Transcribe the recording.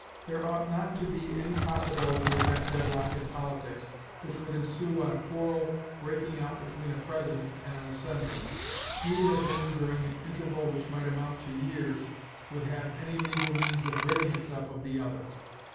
There ought not to be any possibility of that deadlock in politics which would ensue on a quarrel breaking out between a president and an assembly, neither of whom, during an interval which might amount to years, would have any legal means of ridding itself of the other.